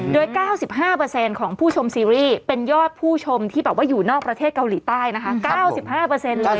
โดยเก้าสิบห้าเปอร์เซ็นต์ของผู้ชมซีรีส์เป็นยอดผู้ชมที่บอกว่าอยู่นอกประเทศเกาหลีใต้นะคะเก้าสิบห้าเปอร์เซ็นต์เลย